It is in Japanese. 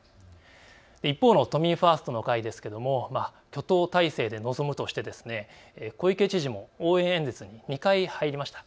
一方の都民ファーストの会ですけれども挙党態勢で臨むとして小池知事も応援演説に２回入りました。